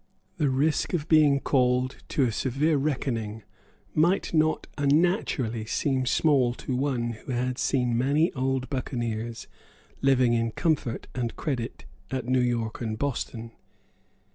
The risk of being called to a severe reckoning might not unnaturally seem small to one who had seen many old buccaneers living in comfort and credit at New York and Boston.